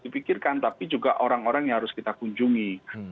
dipikirkan tapi juga orang orang yang harus kita kunjungi